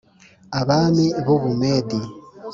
abami b u Bumedi